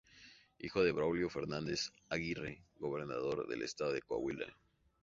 Hijo de Braulio Fernández Aguirre, gobernador del estado de Coahuila.